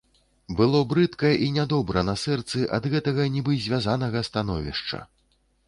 Было брыдка і нядобра на сэрцы ад гэтага, нібы звязанага, становішча.